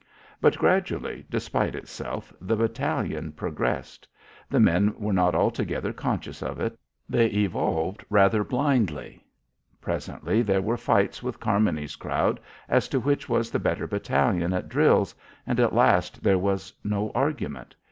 But, gradually, despite itself, the battalion progressed. The men were not altogether conscious of it. They evolved rather blindly. Presently there were fights with Carmony's crowd as to which was the better battalion at drills, and at last there was no argument.